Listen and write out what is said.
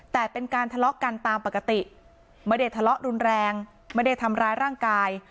แต่เป็นการทะเลาะกันตามปกติไม่ได้ทะเลาะรุนแรงไม่ได้ทำร้ายร่างกาย